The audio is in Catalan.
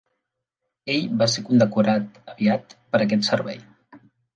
Ell va ser condecorat aviat per aquest servei.